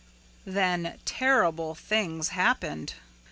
Then terrible things happened.